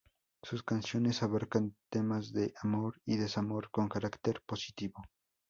Sus canciones abarcan temas de amor y desamor con carácter positivo.